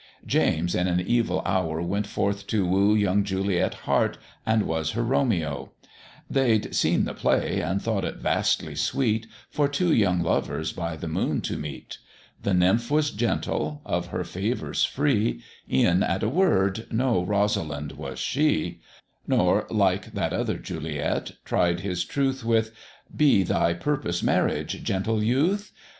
James in an evil hour went forth to woo Young Juliet Hart, and was her Romeo: They'd seen the play, and thought it vastly sweet For two young lovers by the moon to meet; The nymph was gentle, of her favours free, E'en at a word no Rosalind was she; Nor, like that other Juliet, tried his truth With "Be thy purpose marriage, gentle youth?"